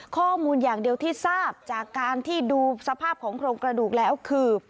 ข้อมูลอย่างเดียวที่ทราบจากการที่ดูสภาพของโครงกระดูกแล้วคือ